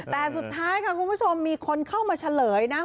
แต่สุดท้ายค่ะคุณผู้ชมมีคนเข้ามาเฉลยนะ